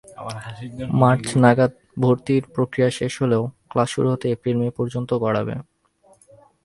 March নাগাদ ভর্তির প্রক্রিয়া শেষ হলেও ক্লাস শুরু হতে এপ্রিল-মে পর্যন্ত গড়াবে।